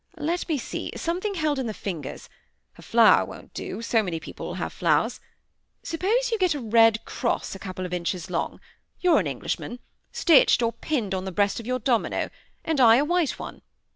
Let me see, something held in the fingers a flower won't do, so many people will have flowers. Suppose you get a red cross a couple of inches long you're an Englishman stitched or pinned on the breast of your domino, and I a white one?